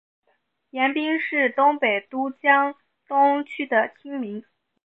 盐滨是东京都江东区的町名。